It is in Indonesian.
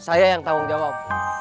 saya yang tanggung jawab